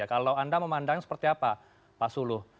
kalau anda memandang seperti apa pak sulul